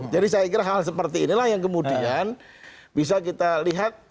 jadi saya kira hal seperti inilah yang kemudian bisa kita lihat